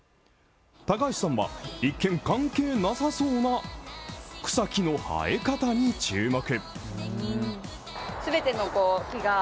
高橋さんは、一見関係なさそうな草木の生え方に注目。